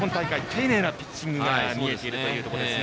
丁寧なピッチングが見えているということです。